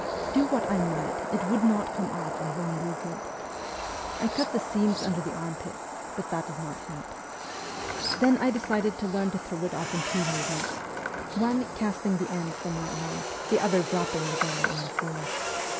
Do what I might, it would not come off in one movement. I cut the seams under the armpits, but that did not help. Then I decided to learn to throw it off in two movements : one, casting the end from my arm, the other dropping the gown on the floor.